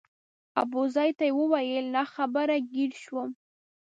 ابوزید ته وویل ناخبره ګیر شوم.